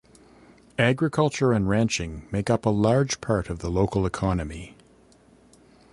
Agriculture and ranching make up a large part of the local economy.